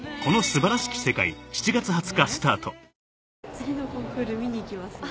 次のコンクール見に行きますね。